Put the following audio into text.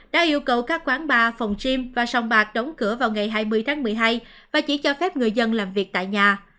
đã yêu cầu các quán bar phòng chim và sòng bạc đóng cửa vào ngày hai mươi tháng một mươi hai và chỉ cho phép người dân làm việc tại nhà